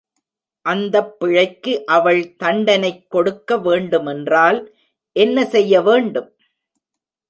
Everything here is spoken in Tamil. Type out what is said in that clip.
அந்தப் பிழைக்கு அவள் தண்டனைக் கொடுக்க வேண்டுமென்றால் என்ன செய்ய வேண்டும்?